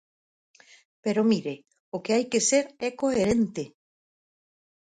Pero mire, o que hai que ser é coherente.